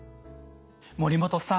森本さん